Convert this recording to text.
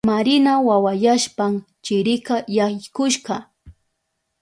Marina wawayashpan chirika yaykushka.